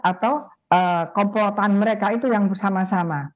atau kompotaan mereka itu yang bersama sama